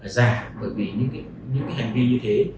giả bởi vì những cái hành vi như thế